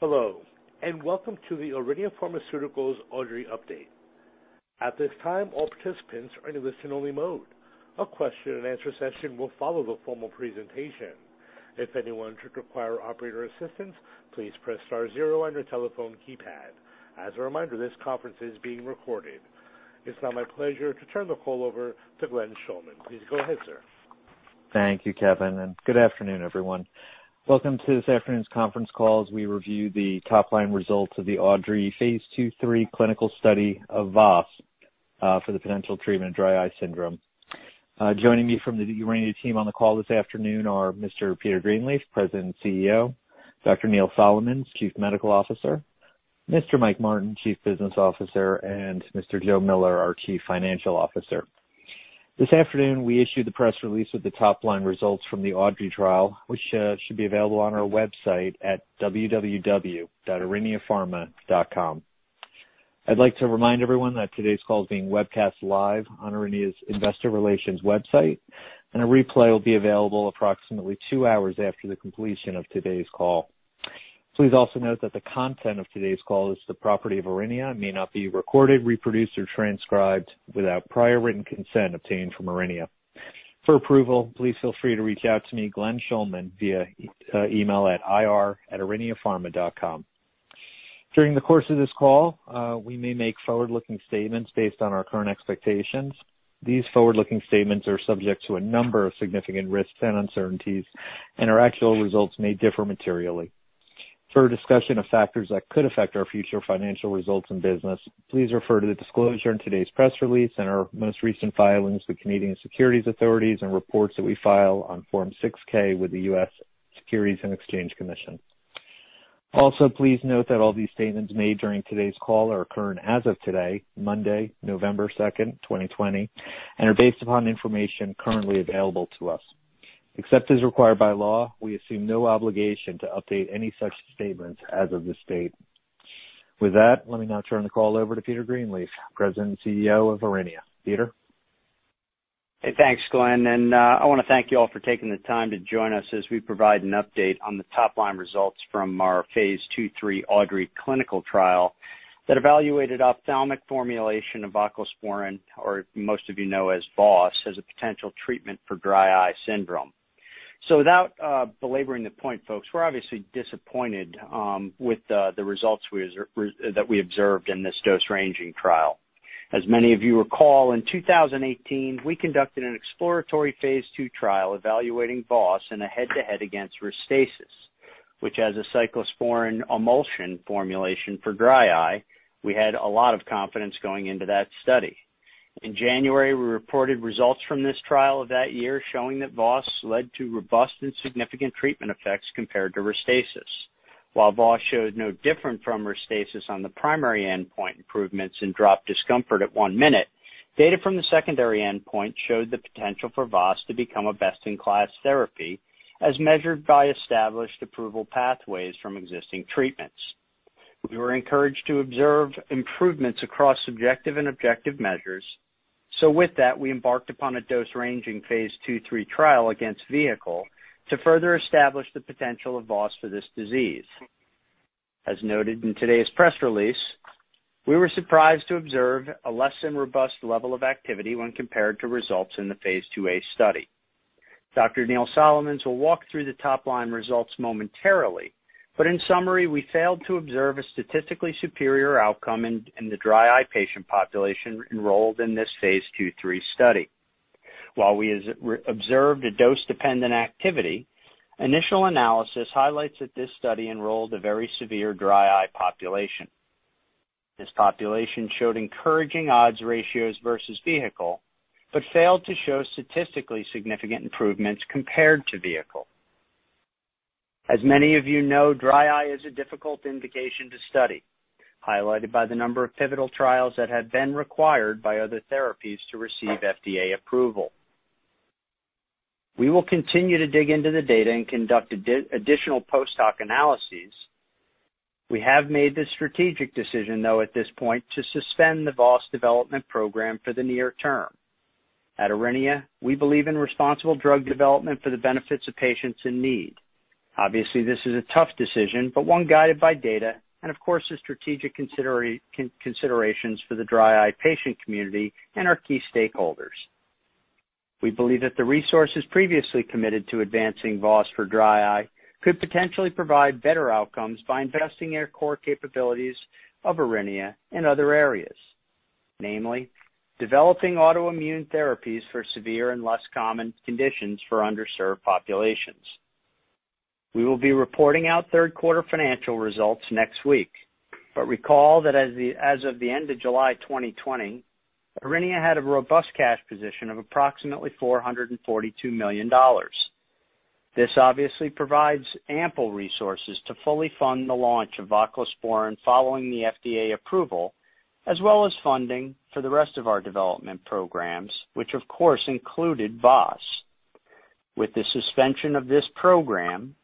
Hello, welcome to the Aurinia Pharmaceuticals AUDREY update. At this time, all participants are in listen only mode. A question-and-answer session will follow the formal presentation. If anyone should require operator assistance, please press star zero on your telephone keypad. As a reminder, this conference is being recorded. It's now my pleasure to turn the call over to Glenn Schulman. Please go ahead, sir. Thank you, Kevin. Good afternoon, everyone. Welcome to this afternoon's conference call as we review the top-line results of the AUDREY phase II-III clinical study of VOS for the potential treatment of dry eye syndrome. Joining me from the Aurinia team on the call this afternoon are Mr. Peter Greenleaf, President, CEO; Dr. Neil Solomons, Chief Medical Officer; Mr. Mike Martin, Chief Business Officer; and Mr. Joe Miller, our Chief Financial Officer. This afternoon, we issue the press release of the top-line results from the AUDREY trial, which should be available on our website at www.auriniapharma.com. I'd like to remind everyone that today's call is being webcast live on Aurinia's investor relations website. A replay will be available approximately two hours after the completion of today's call. Please also note that the content of today's call is the property of Aurinia and may not be recorded, reproduced, or transcribed without prior written consent obtained from Aurinia. For approval, please feel free to reach out to me, Glenn Schulman, via email at ir@auriniapharma.com. During the course of this call, we may make forward-looking statements based on our current expectations. These forward-looking statements are subject to a number of significant risks and uncertainties, and our actual results may differ materially. For a discussion of factors that could affect our future financial results and business, please refer to the disclosure in today's press release and our most recent filings with Canadian securities authorities and reports that we file on Form 6-K with the US Securities and Exchange Commission. Please note that all these statements made during today's call are current as of today, Monday, November 2nd, 2020, and are based upon information currently available to us. Except as required by law, we assume no obligation to update any such statements as of this date. With that, let me now turn the call over to Peter Greenleaf, President, CEO of Aurinia. Peter? Hey, thanks, Glenn. I want to thank you all for taking the time to join us as we provide an update on the top-line results from our phase II/III AUDREY clinical trial that evaluated ophthalmic formulation of voclosporin, or most of you know as VOS, as a potential treatment for dry eye syndrome. Without belaboring the point, folks, we're obviously disappointed with the results that we observed in this dose-ranging trial. As many of you recall, in 2018, we conducted an exploratory phase II trial evaluating VOS in a head-to-head against RESTASIS, which has a cyclosporine emulsion formulation for dry eye. We had a lot of confidence going into that study. In January, we reported results from this trial of that year showing that VOS led to robust and significant treatment effects compared to RESTASIS. While VOS showed no different from RESTASIS on the primary endpoint improvements in dropped discomfort at one minute, data from the secondary endpoint showed the potential for VOS to become a best-in-class therapy as measured by established approval pathways from existing treatments. We were encouraged to observe improvements across subjective and objective measures. With that, we embarked upon a dose-ranging phase II-III trial against vehicle to further establish the potential of VOS for this disease. As noted in today's press release, we were surprised to observe a less than robust level of activity when compared to results in the phase IIa study. Dr. Neil Solomons will walk through the top-line results momentarily, in summary, we failed to observe a statistically superior outcome in the dry eye patient population enrolled in this phase II-III study. While we observed a dose-dependent activity, initial analysis highlights that this study enrolled a very severe dry eye population. This population showed encouraging odds ratios versus vehicle, but failed to show statistically significant improvements compared to vehicle. As many of you know, dry eye is a difficult indication to study, highlighted by the number of pivotal trials that have been required by other therapies to receive FDA approval. We will continue to dig into the data and conduct additional post-hoc analyses. We have made the strategic decision, though, at this point to suspend the VOS development program for the near term. At Aurinia, we believe in responsible drug development for the benefits of patients in need. Obviously, this is a tough decision, but one guided by data and of course, the strategic considerations for the dry eye patient community and our key stakeholders. We believe that the resources previously committed to advancing VOS for dry eye could potentially provide better outcomes by investing in our core capabilities of Aurinia in other areas, namely developing autoimmune therapies for severe and less common conditions for underserved populations. We will be reporting out third quarter financial results next week. Recall that as of the end of July 2020, Aurinia had a robust cash position of approximately $442 million. This obviously provides ample resources to fully fund the launch of voclosporin following the FDA approval, as well as funding for the rest of our development programs, which of course included VOS. With the suspension of this program,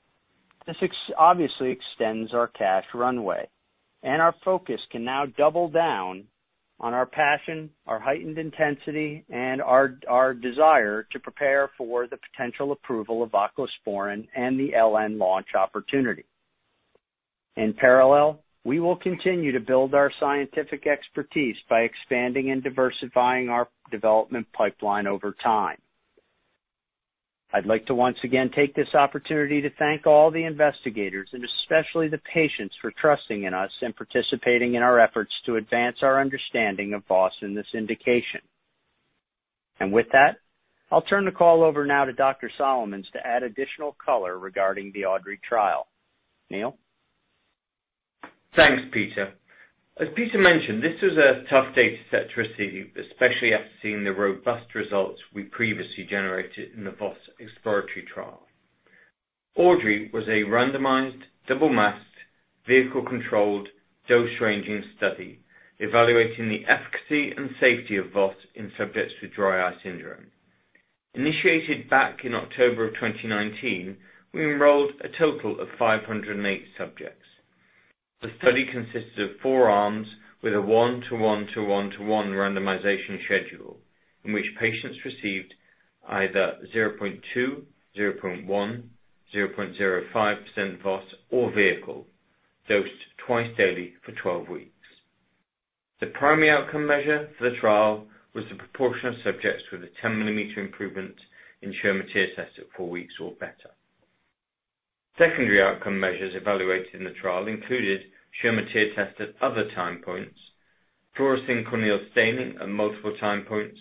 this obviously extends our cash runway, our focus can now double down on our passion, our heightened intensity, and our desire to prepare for the potential approval of voclosporin and the LN launch opportunity. In parallel, we will continue to build our scientific expertise by expanding and diversifying our development pipeline over time. I'd like to once again take this opportunity to thank all the investigators and especially the patients for trusting in us and participating in our efforts to advance our understanding of VOS in this indication. With that, I'll turn the call over now to Dr. Solomons to add additional color regarding the AUDREY trial. Neil? Thanks, Peter. As Peter mentioned, this was a tough data set to receive, especially after seeing the robust results we previously generated in the VOS exploratory trial. AUDREY was a randomized, double-masked, vehicle-controlled, dose-ranging study evaluating the efficacy and safety of VOS in subjects with dry eye syndrome. Initiated back in October of 2019, we enrolled a total of 508 subjects. The study consisted of four arms with a 1-to-1-to-1-to-1 randomization schedule in which patients received either 0.2%, 0.1%, 0.05% VOS or vehicle, dosed twice daily for 12 weeks. The primary outcome measure for the trial was the proportion of subjects with a 10-mm improvement in Schirmer tear test at four weeks or better. Secondary outcome measures evaluated in the trial included Schirmer tear test at other time points, fluorescein corneal staining at multiple time points,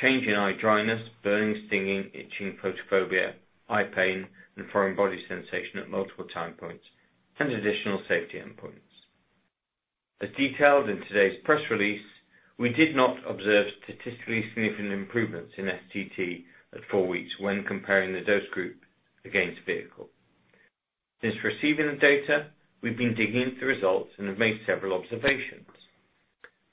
change in eye dryness, burning, stinging, itching, photophobia, eye pain, and foreign body sensation at multiple time points, and additional safety endpoints. As detailed in today's press release, we did not observe statistically significant improvements in STT at four weeks when comparing the dose group against vehicle. Since receiving the data, we've been digging into the results and have made several observations.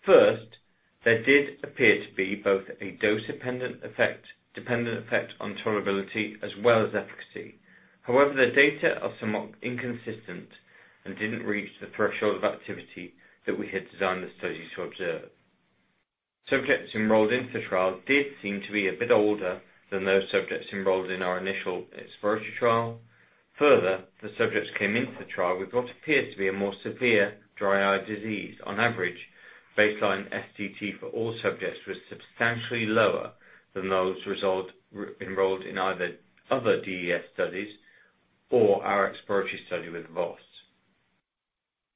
First, there did appear to be both a dose-dependent effect on tolerability as well as efficacy. However, the data are somewhat inconsistent and didn't reach the threshold of activity that we had designed the studies to observe. Subjects enrolled into the trial did seem to be a bit older than those subjects enrolled in our initial exploratory trial. Further, the subjects came into the trial with what appeared to be a more severe dry eye disease. On average, baseline STT for all subjects was substantially lower than those enrolled in either other DES studies or our exploratory study with VOS.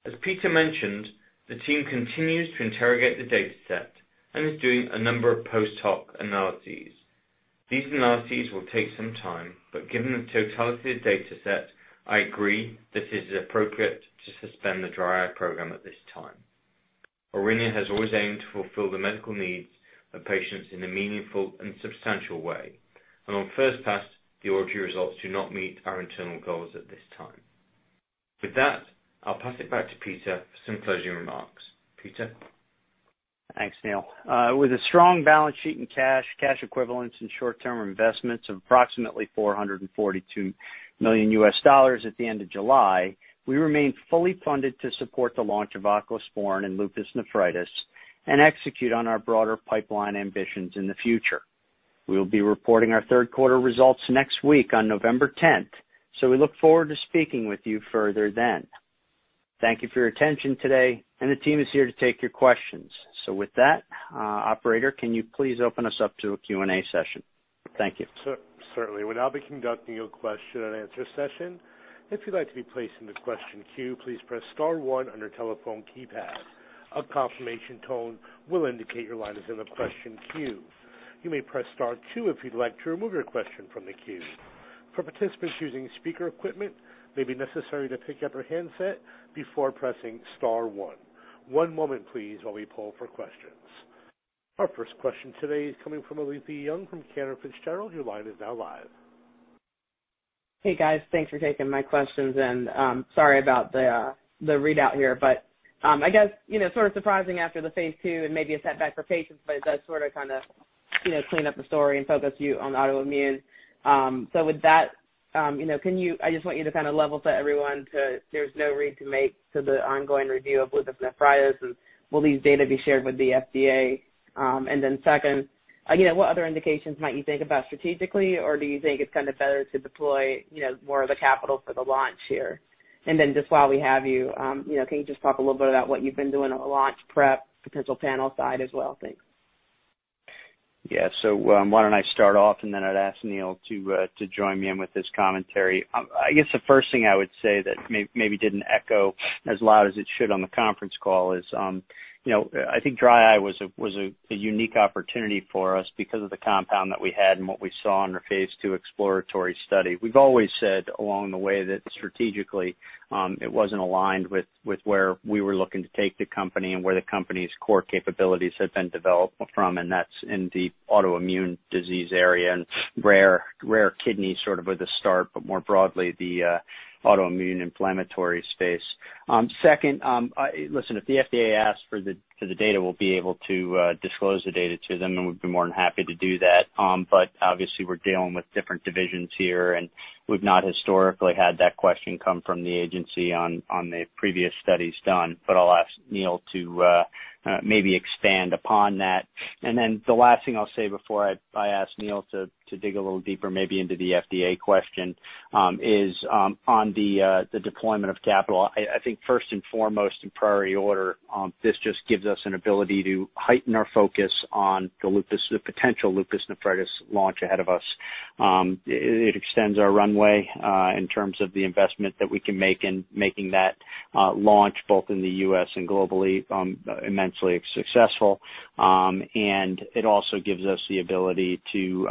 As Peter mentioned, the team continues to interrogate the data set and is doing a number of post hoc analyses. These analyses will take some time, but given the totality of data set, I agree that it is appropriate to suspend the dry eye program at this time. Aurinia has always aimed to fulfill the medical needs of patients in a meaningful and substantial way. On first pass, the AUDREY results do not meet our internal goals at this time. With that, I'll pass it back to Peter for some closing remarks. Peter? Thanks, Neil. With a strong balance sheet and cash equivalents and short-term investments of approximately $442 million at the end of July, we remain fully funded to support the launch of voclosporin in lupus nephritis and execute on our broader pipeline ambitions in the future. We'll be reporting our third quarter results next week on November 10th. We look forward to speaking with you further then. Thank you for your attention today, and the team is here to take your questions. With that, operator, can you please open us up to a Q&A session? Thank you. Certainly. We'll now be conducting a question-and-answer session. If you'd like to be placed in the question queue, please press star one on your telephone keypad. A confirmation tone will indicate your line is in the question queue. You may press star two if you'd like to remove your question from the queue. For participants using speaker equipment, it may be necessary to pick up your handset before pressing star one. One moment please while we poll for questions. Our first question today is coming from Alethia Young from Cantor Fitzgerald. Your line is now live. Hey, guys. Thanks for taking my questions and sorry about the readout here, but I guess sort of surprising after the phase II and maybe a setback for patients, but it does sort of clean up the story and focus you on autoimmune. With that, I just want you to kind of level set everyone to there's no read to make to the ongoing review of lupus nephritis and will these data be shared with the FDA? Second, what other indications might you think about strategically, or do you think it's kind of better to deploy more of the capital for the launch here? Just while we have you, can you just talk a little bit about what you've been doing on the launch prep potential panel side as well? Thanks. Yeah. Why don't I start off and then I'd ask Neil to join me in with his commentary. I guess the first thing I would say that maybe didn't echo as loud as it should on the conference call is I think dry eye was a unique opportunity for us because of the compound that we had and what we saw in our phase II exploratory study. We've always said along the way that strategically, it wasn't aligned with where we were looking to take the company and where the company's core capabilities had been developed from, and that's in the autoimmune disease area and rare kidney sort of with the start, but more broadly, the autoimmune inflammatory space. Second, listen, if the FDA asks for the data, we'll be able to disclose the data to them, and we'd be more than happy to do that. Obviously we're dealing with different divisions here, and we've not historically had that question come from the agency on the previous studies done. I'll ask Neil to maybe expand upon that. The last thing I'll say before I ask Neil to dig a little deeper maybe into the FDA question, is on the deployment of capital. I think first and foremost in priority order, this just gives us an ability to heighten our focus on the potential lupus nephritis launch ahead of us. It extends our runway in terms of the investment that we can make in making that launch, both in the U.S. and globally, immensely successful. It also gives us the ability to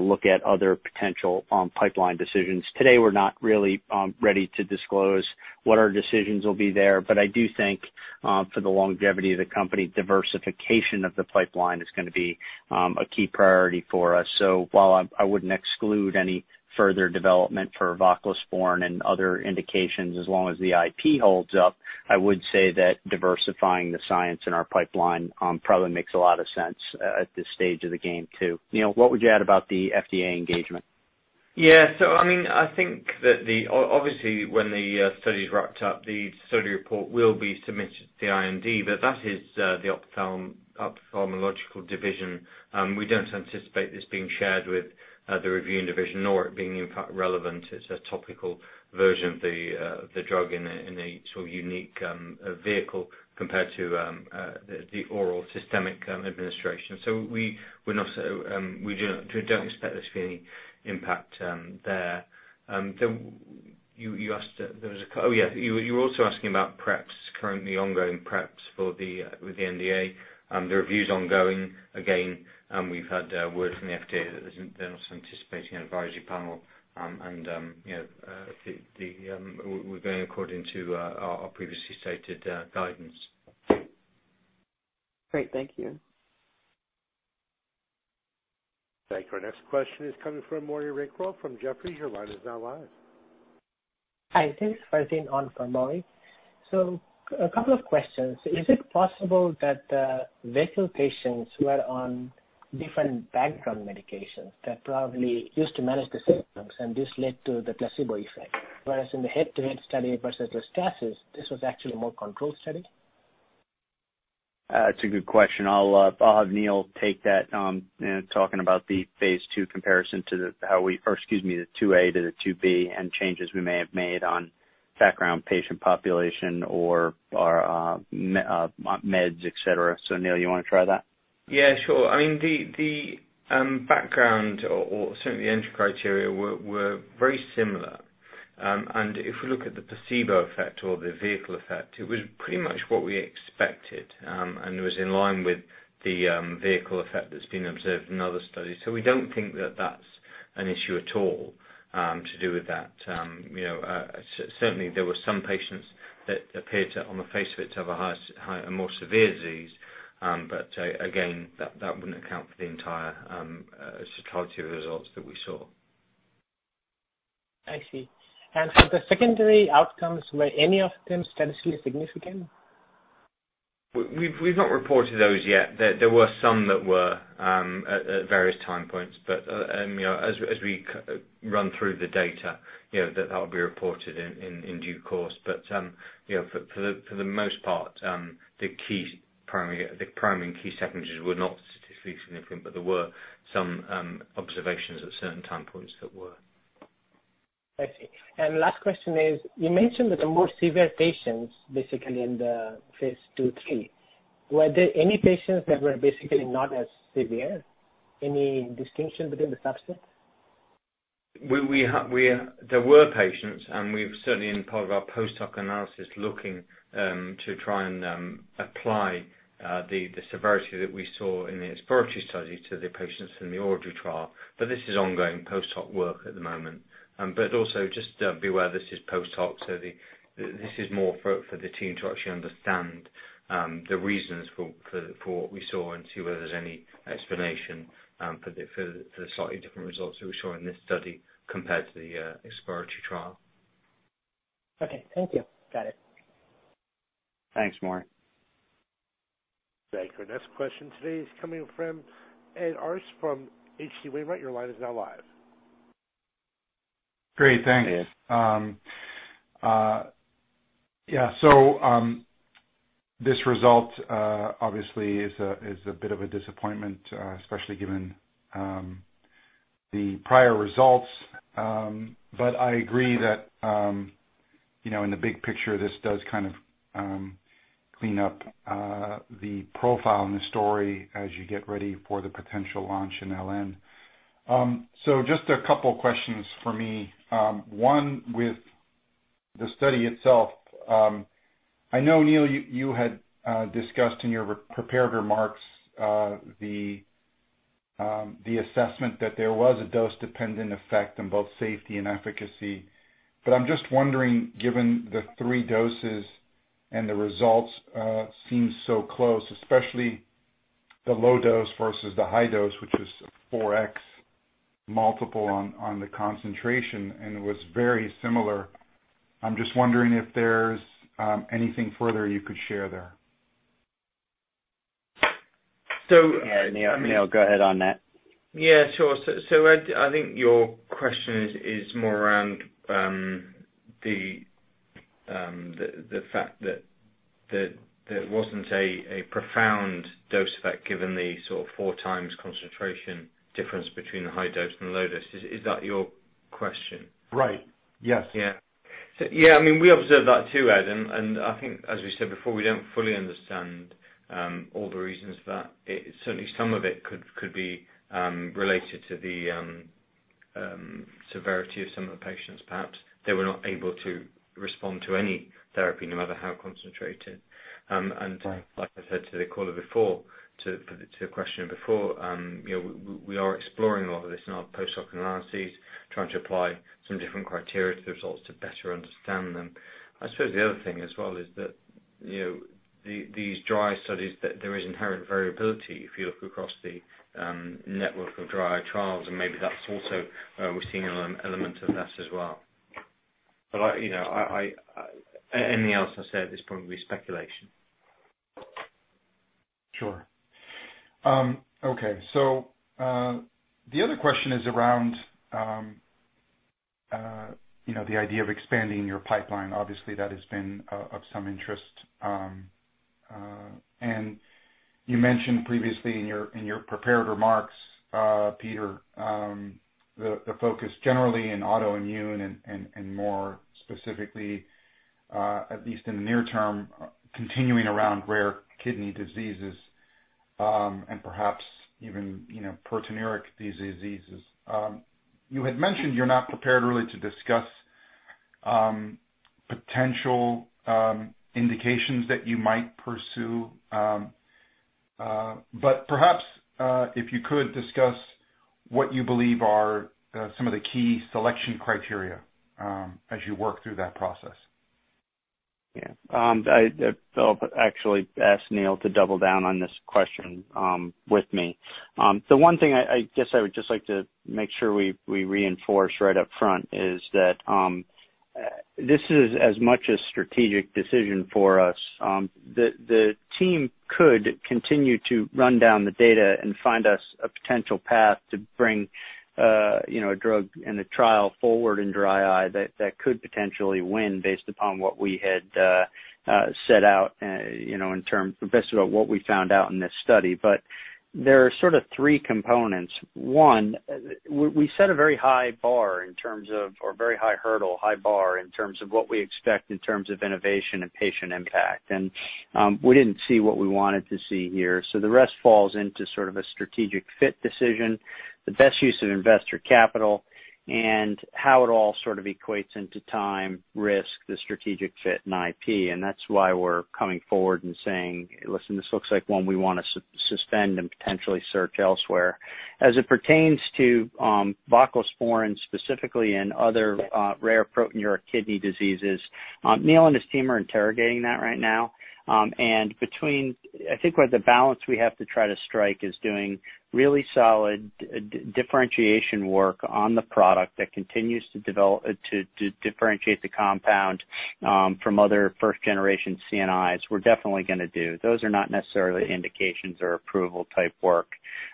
look at other potential pipeline decisions. Today, we're not really ready to disclose what our decisions will be there. I do think, for the longevity of the company, diversification of the pipeline is going to be a key priority for us. While I wouldn't exclude any further development for voclosporin and other indications, as long as the IP holds up, I would say that diversifying the science in our pipeline probably makes a lot of sense at this stage of the game, too. Neil, what would you add about the FDA engagement? Yeah. I think that obviously when the study's wrapped up, the study report will be submitted to the IND, but that is the ophthalmological division. We don't anticipate this being shared with the reviewing division, nor it being, in fact, relevant. It's a topical version of the drug in a sort of unique vehicle compared to the oral systemic administration. We don't expect there to be any impact there. You were also asking about preps, currently ongoing preps with the NDA. The review's ongoing. Again, we've had word from the FDA that they're not anticipating an advisory panel, and we're going according to our previously stated guidance. Great. Thank you. Thank you. Our next question is coming from Maury Raycroft from Jefferies. Your line is now live. Hi, this is Farzin on for Maury. A couple of questions. Is it possible that the vehicle patients were on different background medications that probably used to manage the symptoms and this led to the placebo effect, whereas in the head-to-head study versus RESTASIS, this was actually a more controlled study? That's a good question. I'll have Neil take that. Talking about the phase II comparison, or excuse me, the 2A to the 2B and changes we may have made on background patient population or meds, et cetera. Neil, you want to try that? Yeah, sure. The background or certainly the entry criteria were very similar. If we look at the placebo effect or the vehicle effect, it was pretty much what we expected. It was in line with the vehicle effect that's been observed in other studies. We don't think that that's an issue at all to do with that. Certainly, there were some patients that appeared, on the face of it, to have a more severe disease. Again, that wouldn't account for the entire totality of the results that we saw. I see. For the secondary outcomes, were any of them statistically significant? We've not reported those yet. There were some that were at various time points. As we run through the data, that will be reported in due course. For the most part, the primary and key secondaries were not statistically significant. There were some observations at certain time points that were. I see. Last question is, you mentioned that the more severe patients, basically in the phase II-III, were there any patients that were basically not as severe? Any distinction between the subsets? There were patients, and we're certainly in part of our post-hoc analysis, looking to try and apply the severity that we saw in the exploratory study to the patients in the AUDREY trial. This is ongoing post-hoc work at the moment. Also just be aware, this is post-hoc, so this is more for the team to actually understand the reasons for what we saw and see whether there's any explanation for the slightly different results that we saw in this study compared to the exploratory trial. Okay. Thank you. Got it. Thanks. Thank you. Our next question today is coming from Ed Arce from H.C. Wainwright. Great. Thanks. Hey, Ed. Yeah. This result obviously is a bit of a disappointment, especially given the prior results. I agree that in the big picture, this does kind of clean up the profile and the story as you get ready for the potential launch in LN. Just a couple questions for me. One, with the study itself. I know, Neil, you had discussed in your prepared remarks the assessment that there was a dose-dependent effect on both safety and efficacy. I'm just wondering, given the three doses and the results seem so close, especially the low dose versus the high dose, which was 4X multiple on the concentration, and it was very similar. I'm just wondering if there's anything further you could share there. Yeah. Neil, go ahead on that. Yeah, sure. Ed, I think your question is more around the fact that there wasn't a profound dose effect given the sort of four times concentration difference between the high dose and the low dose. Is that your question? Right. Yes. Yeah, we observed that too, Ed. I think as we said before, we don't fully understand all the reasons for that. Certainly, some of it could be related to the severity of some of the patients, perhaps. They were not able to respond to any therapy, no matter how concentrated. Like I said to the caller before, to a question before, we are exploring a lot of this in our post-hoc analyses, trying to apply some different criteria to the results to better understand them. I suppose the other thing as well is that these dry eye studies, that there is inherent variability if you look across the network of dry eye trials. Maybe that's also where we're seeing an element of that as well. Anything else I say at this point would be speculation. Sure. Okay. The other question is around the idea of expanding your pipeline. Obviously, that has been of some interest. You mentioned previously in your prepared remarks, Peter, the focus generally in autoimmune and more specifically, at least in the near term, continuing around rare kidney diseases, and perhaps even proteinuria diseases. You had mentioned you're not prepared really to discuss potential indications that you might pursue. Perhaps, if you could, discuss what you believe are some of the key selection criteria as you work through that process. Yeah. I'll actually ask Neil to double down on this question with me. The one thing I guess I would just like to make sure we reinforce right up front is that this is as much a strategic decision for us. The team could continue to run down the data and find us a potential path to bring a drug in a trial forward in dry eye that could potentially win based upon what we had set out in terms, based on what we found out in this study. There are sort of three components. One, we set a very high bar in terms of, or a very high hurdle, high bar in terms of what we expect in terms of innovation and patient impact. We didn't see what we wanted to see here. The rest falls into sort of a strategic fit decision, the best use of investor capital, and how it all sort of equates into time, risk, the strategic fit, and IP. That's why we're coming forward and saying, "Listen, this looks like one we want to suspend and potentially search elsewhere." As it pertains to voclosporin specifically and other rare proteinuria kidney diseases, Neil and his team are interrogating that right now. Between, I think where the balance we have to try to strike is doing really solid differentiation work on the product that continues to differentiate the compound from other first-generation CNIs. We're definitely going to do. Those are not necessarily indications or approval type work.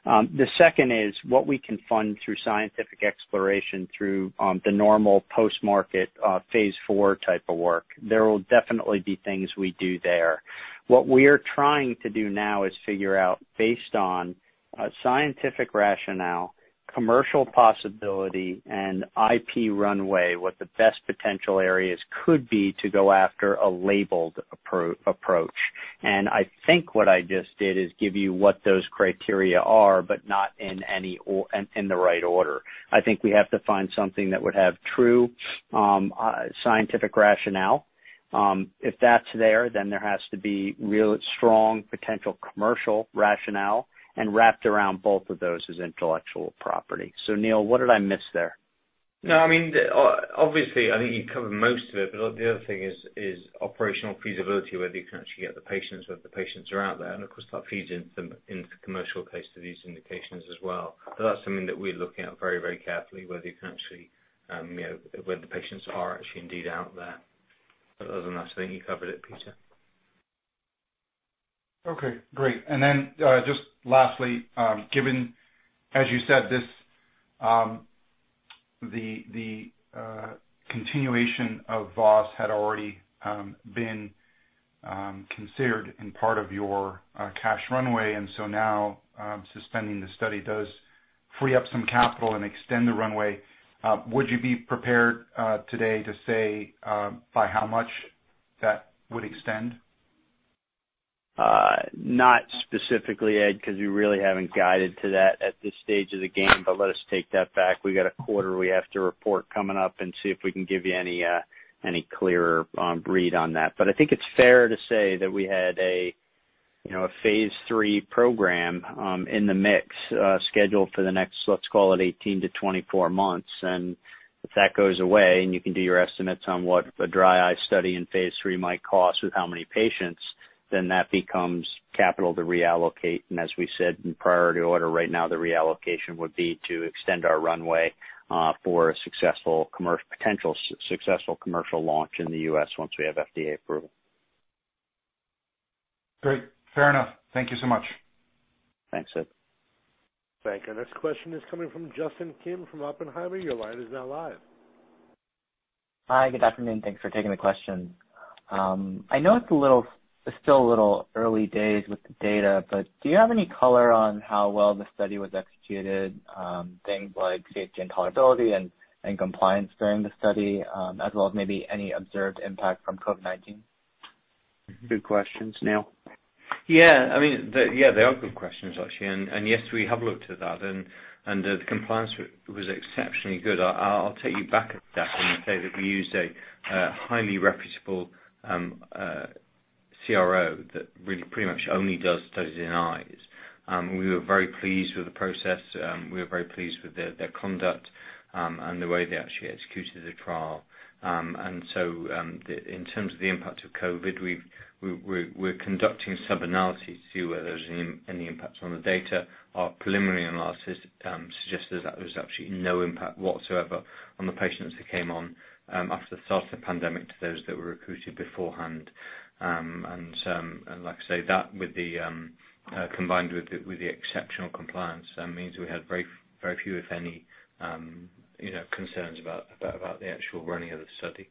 The second is what we can fund through scientific exploration through the normal post-market phase IV type of work. There will definitely be things we do there. What we are trying to do now is figure out, based on a scientific rationale, commercial possibility, and IP runway, what the best potential areas could be to go after a labeled approach. I think what I just did is give you what those criteria are, but not in the right order. I think we have to find something that would have true scientific rationale. If that's there, then there has to be really strong potential commercial rationale, and wrapped around both of those is intellectual property. Neil, what did I miss there? No, obviously, I think you covered most of it. The other thing is operational feasibility, whether you can actually get the patients, whether the patients are out there. Of course, that feeds into the commercial case for these indications as well. That's something that we're looking at very carefully, whether the patients are actually indeed out there. Other than that, I think you covered it, Peter. Okay, great. Just lastly, given, as you said, the continuation of VOS had already been considered in part of your cash runway, now suspending the study does free up some capital and extend the runway. Would you be prepared today to say by how much that would extend? Not specifically, Ed, because we really haven't guided to that at this stage of the game. Let us take that back. We've got a quarter we have to report coming up and see if we can give you any clearer read on that. I think it's fair to say that we had a phase III program in the mix, scheduled for the next, let's call it 18-24 months. If that goes away, and you can do your estimates on what a dry eye study in phase III might cost with how many patients, then that becomes capital to reallocate. As we said in priority order right now, the reallocation would be to extend our runway for a potential successful commercial launch in the U.S. once we have FDA approval. Great. Fair enough. Thank you so much. Thanks, Ed. Thank you. Next question is coming from Justin Kim from Oppenheimer. Your line is now live. Hi, good afternoon. Thanks for taking the question. I know it's still a little early days with the data, but do you have any color on how well the study was executed, things like safety and tolerability and compliance during the study, as well as maybe any observed impact from COVID-19? Good questions, Neil? Yeah. They are good questions, actually. Yes, we have looked at that, and the compliance was exceptionally good. I'll take you back a step and say that we used a highly reputable CRO that really pretty much only does studies in eyes. We were very pleased with the process. We were very pleased with their conduct and the way they actually executed the trial. In terms of the impact of COVID, we're conducting sub-analysis to see whether there's any impacts on the data. Our preliminary analysis suggested that there was actually no impact whatsoever on the patients who came on after the start of the pandemic to those that were recruited beforehand. Like I say, that combined with the exceptional compliance, that means we had very few, if any, concerns about the actual running of the study.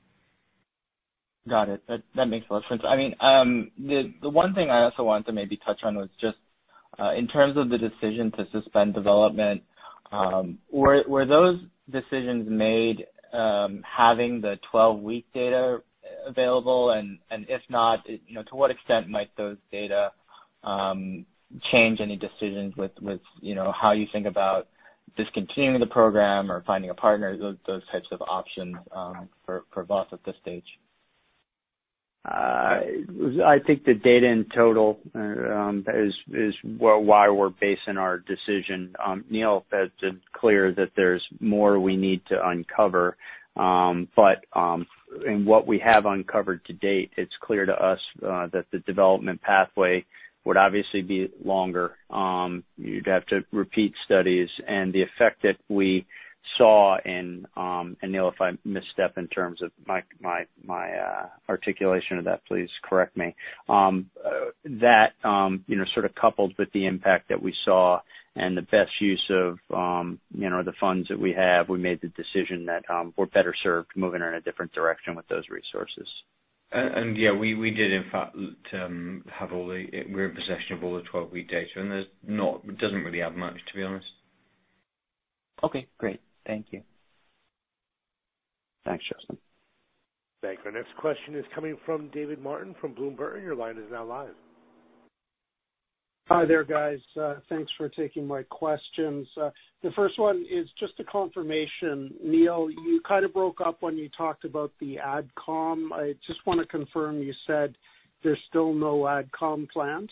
Got it. That makes a lot of sense. The one thing I also wanted to maybe touch on was just in terms of the decision to suspend development, were those decisions made having the 12-week data available? If not, to what extent might those data change any decisions with how you think about discontinuing the program or finding a partner, those types of options for us at this stage? I think the data in total is why we're basing our decision. Neil, it's clear that there's more we need to uncover. In what we have uncovered to date, it's clear to us that the development pathway would obviously be longer. You'd have to repeat studies. The effect that we saw in, and Neil, if I misstep in terms of my articulation of that, please correct me, that sort of coupled with the impact that we saw and the best use of the funds that we have, we made the decision that we're better served moving in a different direction with those resources. Yeah, we did in fact, we're in possession of all the 12-week data, and it doesn't really add much, to be honest. Okay, great. Thank you. Thanks, Justin. Thank you. Our next question is coming from David Martin from Bloom Burton. Your line is now live. Hi there, guys. Thanks for taking my questions. The first one is just a confirmation. Neil, you kind of broke up when you talked about the Ad Com. I just want to confirm you said there's still no Ad Com plans?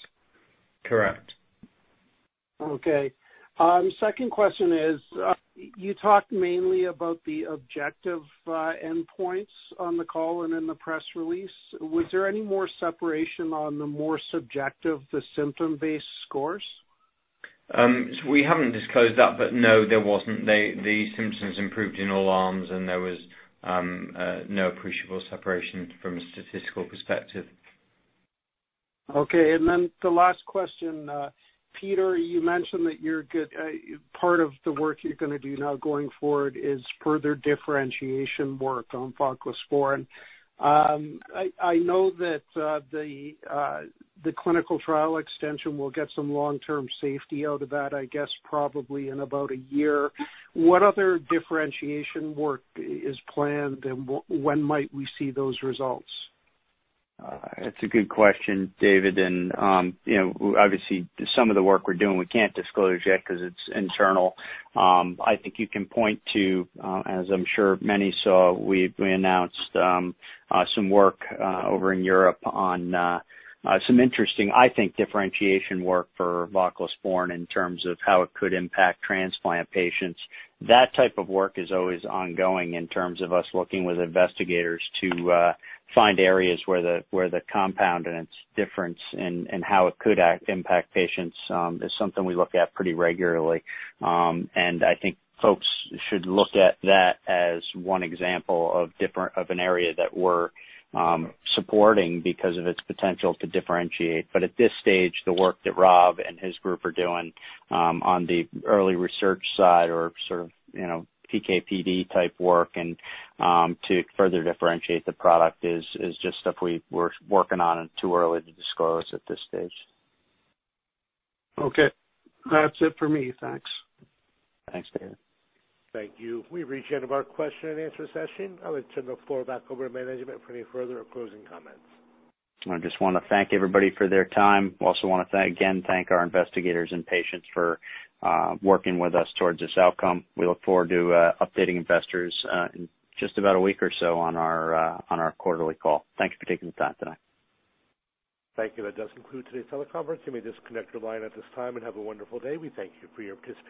Correct. Okay. Second question is, you talked mainly about the objective endpoints on the call and in the press release. Was there any more separation on the more subjective, the symptom-based scores? We haven't disclosed that, but no, there wasn't. The symptoms improved in all arms, and there was no appreciable separation from a statistical perspective. Okay, the last question. Peter, you mentioned that part of the work you're going to do now going forward is further differentiation work on voclosporin. I know that the clinical trial extension will get some long-term safety out of that, I guess, probably in about a year. What other differentiation work is planned, and when might we see those results? That's a good question, David. Obviously, some of the work we're doing we can't disclose yet because it's internal. I think you can point to, as I'm sure many saw, we announced some work over in Europe on some interesting, I think, differentiation work for voclosporin in terms of how it could impact transplant patients. That type of work is always ongoing in terms of us working with investigators to find areas where the compound and its difference and how it could impact patients is something we look at pretty regularly. I think folks should look at that as one example of an area that we're supporting because of its potential to differentiate. At this stage, the work that Rob and his group are doing on the early research side or sort of PK/PD type work and to further differentiate the product is just stuff we're working on and too early to disclose at this stage. Okay. That's it for me. Thanks. Thanks, David. Thank you. We've reached the end of our question-and-answer session. I would turn the floor back over to management for any further closing comments. I just want to thank everybody for their time. Also want to again thank our investigators and patients for working with us towards this outcome. We look forward to updating investors in just about a week or so on our quarterly call. Thanks for taking the time tonight. Thank you. That does conclude today's teleconference. You may disconnect your line at this time, and have a wonderful day. We thank you for your participation.